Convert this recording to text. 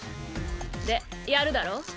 でやるだろ？